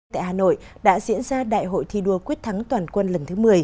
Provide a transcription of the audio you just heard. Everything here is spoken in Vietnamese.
tại hà nội đã diễn ra đại hội thi đua quyết thắng toàn quân lần thứ một mươi